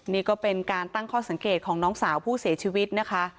นี่ก็เป็นการตั้งข้อสังเกตของน้องสาวผู้เสียชีวิตนะคะ